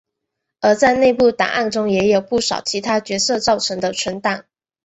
而在内部档案中也有不少其他角色造成的存档。